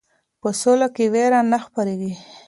په سوله کې ویره نه خپریږي.